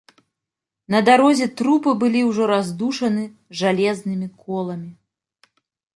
На дарозе трупы былі ўжо раздушаны жалезнымі коламі.